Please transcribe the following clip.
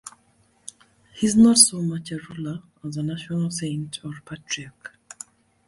He is not so much a ruler as a national saint or patriarch.